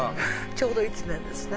ちょうど１年ですね。